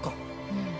うん。